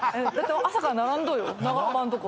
朝から並んどぉよ長浜んとこ。